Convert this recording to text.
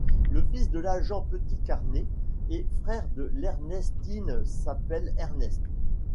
Le fils de l'agent Petitcarné et frère d'Ernestine s'appelle Ernest.